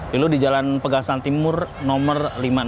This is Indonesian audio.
dulu di jalan pegasan timur nomor lima puluh enam